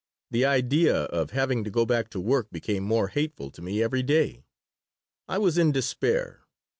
The idea of having to go back to work became more hateful to me every day. I was in despair.